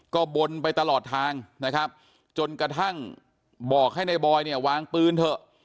ก็บนไปตลอดทางนะครับจนกระทั่งบอกให้ในบอยเนี่ยวางปืนเถอะ